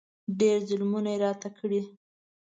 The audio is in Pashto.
ډېر ظلمونه یې راته کړي.